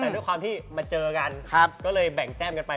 แต่ด้วยความที่มาเจอกันก็เลยแบ่งแต้มกันไป